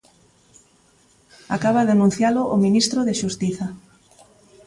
Acaba de anuncialo o ministro de Xustiza.